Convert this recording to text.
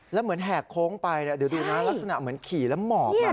แล้วเหมือนแหกโค้งไปเดี๋ยวดูนะลักษณะเหมือนขี่แล้วหมอบมา